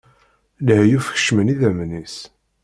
Lehyuf kecmen idammen-is.